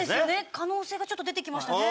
可能性がちょっと出てきましたね。